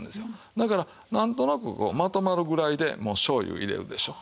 だからなんとなくこうまとまるぐらいでもう醤油入れるでしょう。